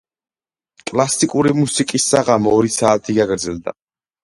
კლასიკური მუსიკის საღამო ორი საათი გაგრძელდა.